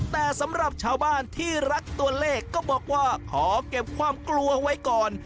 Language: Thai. แต่สำหรับชาวบ้านที่รักตัวเลขก็บอกว่าขอเก็บความกลัวไว้ก่อน